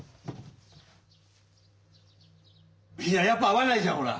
いややっぱ合わないじゃんほら。